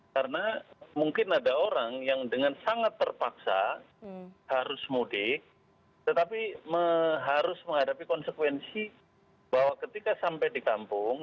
karena mungkin ada orang yang dengan sangat terpaksa harus mudik tetapi harus menghadapi konsekuensi bahwa ketika sampai di kampung